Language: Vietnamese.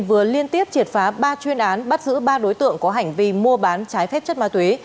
vừa liên tiếp triệt phá ba chuyên án bắt giữ ba đối tượng có hành vi mua bán trái phép chất ma túy